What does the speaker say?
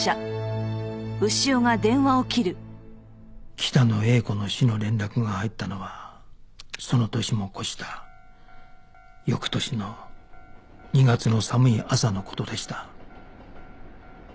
北野英子の死の連絡が入ったのはその年も越した翌年の２月の寒い朝の事でした